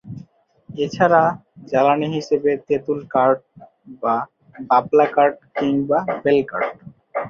এছাড়া জ্বালানী হিসেবে তেঁতুল কাঠ বা বাবলা কাঠ কিংবা বেলকাঠ।